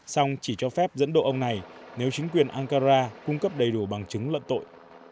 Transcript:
xong chỉ cho phép dẫn độ ông này nếu chính quyền ankara cung cấp đầy đủ bằng chứng luận tội